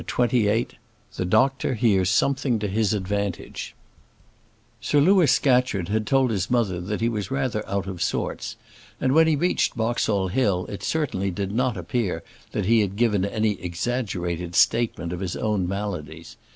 CHAPTER XXVIII The Doctor Hears Something to His Advantage Sir Louis Scatcherd had told his mother that he was rather out of sorts, and when he reached Boxall Hill it certainly did not appear that he had given any exaggerated statement of his own maladies.